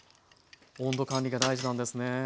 温度管理が大事なんですね。